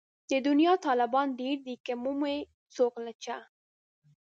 د دنيا طالبان ډېر دي که يې مومي څوک له چا